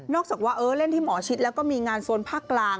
จากว่าเล่นที่หมอชิดแล้วก็มีงานโซนภาคกลาง